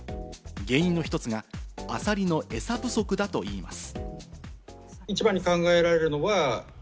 原因の一つがアサリのエサ不足だといいます。